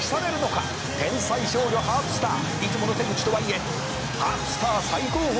「天才少女ハープスター」「いつもの手口とはいえハープスター最後方だ」